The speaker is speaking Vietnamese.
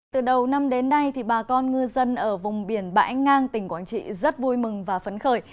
từ đầu năm đến nay bà con ngư dân ở vùng biển bãi ngang tỉnh quảng trị rất vui mừng và phấn khởi